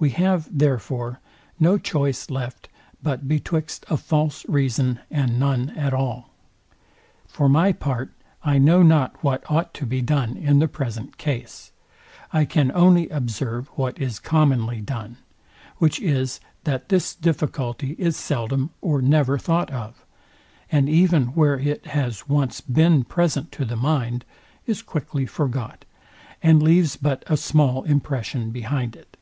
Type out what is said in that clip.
We have, therefore, no choice left but betwixt a false reason and none at all. For my part, know not what ought to be done in the present case. I can only observe what is commonly done; which is, that this difficulty is seldom or never thought of; and even where it has once been present to the mind, is quickly forgot, and leaves but a small impression behind it.